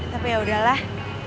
tapi yaudah lah